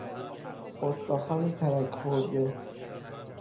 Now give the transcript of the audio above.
استخوان ترک خورده